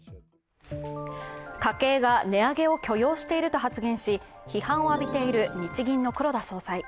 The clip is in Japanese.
家計が値上げを許容していると発言し批判を浴びている日銀の黒田総裁。